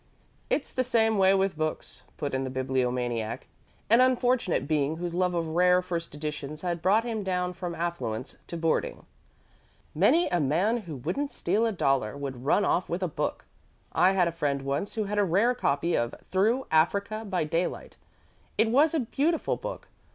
"It's the same way with books," put in the Bibliomaniac, an unfortunate being whose love of rare first editions had brought him down from affluence to boarding. "Many a man who wouldn't steal a dollar would run off with a book. I had a friend once who had a rare copy of Through Africa by Daylight. It was a beautiful book.